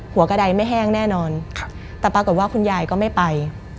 หัวกระดายไม่แห้งแน่นอนแต่ปรากฏว่าคุณยายก็ไม่ไป